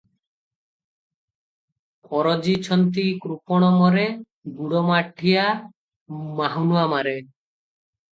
"ଅରଜି ଛଞ୍ଚି କୃପଣ ମରେ ଗୁଡ଼ମାଠିଆ ମାହ୍ନୁଆ ମାରେ ।"